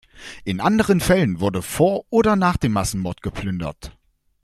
In anderen Fällen wurde vor oder nach dem Massenmord, geplündert.